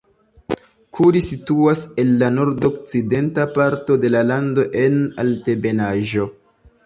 Kuri situas en la nordokcidenta parto de la lando en altebenaĵo.